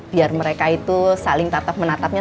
biar mereka itu saling tatap menatapnya